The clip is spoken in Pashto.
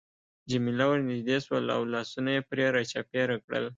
جميله ورنژدې شول او لاسونه يې پرې را چاپېره کړل.